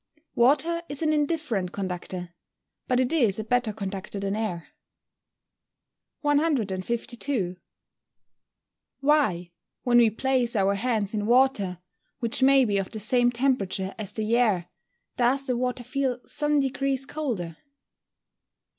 _ Water is an indifferent conductor, but it is a better conductor than air. 152. _Why, when we place our hands in water, which may be of the same temperature as the air, does the water feel some degrees colder?